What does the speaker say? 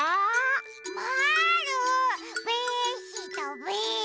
まぁるべしたべ。